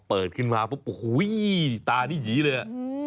พอเปิดขึ้นมาปุ๊บตานี่หยีเลยอ่ะ